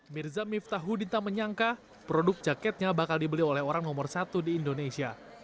mirza miftahudita menyangka produk jaketnya bakal dibeli oleh orang nomor satu di indonesia